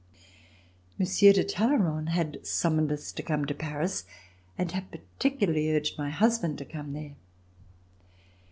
Monsieur de Talleyrand had summoned us to come to Paris and had particularly urged my husband to come there.